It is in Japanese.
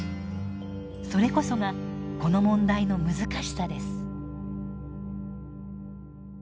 それこそがこの問題の難しさです。